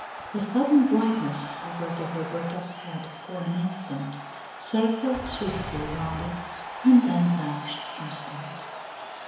A sudden brightness hovered over Berta's head for an instant, circled swiftly around it, and then vanished from sight.